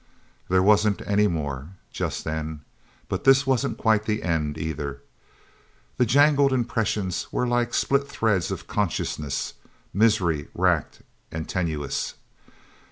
There wasn't any more, just then. But this wasn't quite the end, either. The jangled impressions were like split threads of consciousness, misery wracked and tenuous.